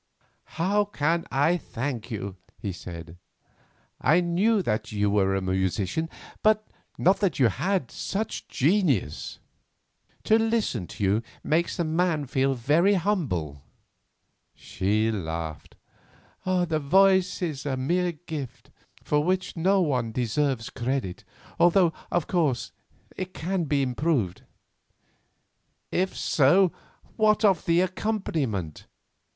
"How can I thank you?" he said. "I knew that you were a musician, but not that you had such genius. To listen to you makes a man feel very humble." She laughed. "The voice is a mere gift, for which no one deserves credit, although, of course, it can be improved." "If so, what of the accompaniment?"